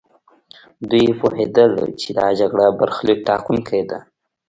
دوی پوهېدل چې دا جګړه برخليک ټاکونکې ده.